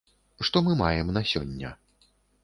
Што мы маем на сёння.